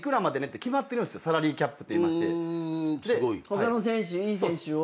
他の選手いい選手を。